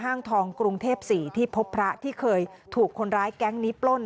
ทองกรุงเทพ๔ที่พบพระที่เคยถูกคนร้ายแก๊งนี้ปล้น